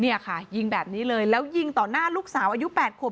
เนี่ยค่ะยิงแบบนี้เลยแล้วยิงต่อหน้าลูกสาวอายุ๘ขวบ